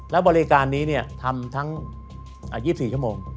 แล้วบริการนี้ทำทั้ง๒๔ชั่วโมง